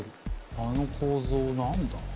あの構造何だ？